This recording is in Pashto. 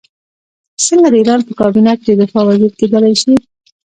څنګه د ایران په کابینه کې د دفاع وزیر کېدلای شي.